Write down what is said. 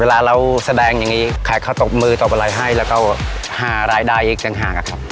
เวลาเราแสดงอย่างงี้ใครเขาตบมือตอบเวลาให้แล้วก็หารายได้อีกจังห่างครับ